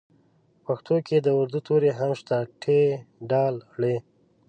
په پښتو کې د اردو توري هم شته ټ ډ ړ